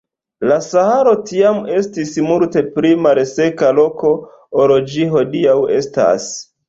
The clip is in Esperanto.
La Saharo tiam estis multe pli malseka loko ol ĝi hodiaŭ estas.